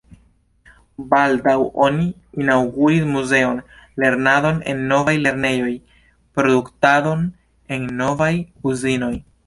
Baldaŭ oni inaŭguris muzeon, lernadon en novaj lernejoj, produktadon en novaj uzinoj.